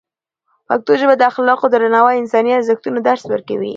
پښتو ژبه د اخلاقو، درناوي او انساني ارزښتونو درس ورکوي.